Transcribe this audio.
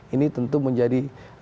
ini tentu menjadi